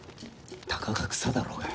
たかが草だろうが。